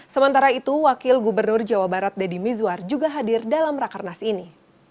sementara itu wakil gubernur jawa barat deddy mizwar juga hadir dalam rakernas ini